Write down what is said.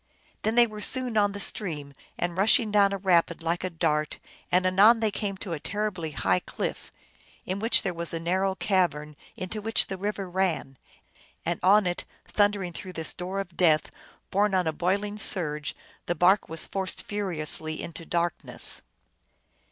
Then they were soon on the stream, and rushing down a rapid like a dart. And anon they came to a terribly high cliff, in which there was a narrow cavern into which the river ran. And on it, thundering through this door of death, borne on a boiling surge, the bark was forced furiously into darkness.